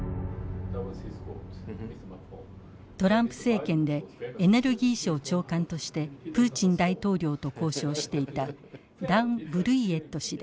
トランプ政権でエネルギー省長官としてプーチン大統領と交渉していたダン・ブルイエット氏です。